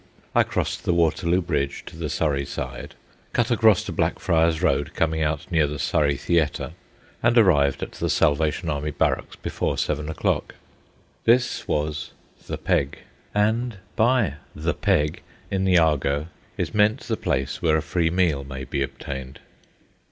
I crossed the Waterloo Bridge to the Surrey side, cut across to Blackfriars Road, coming out near the Surrey Theatre, and arrived at the Salvation Army barracks before seven o'clock. This was "the peg." And by "the peg," in the argot, is meant the place where a free meal may be obtained.